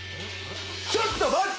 ちょっと待って。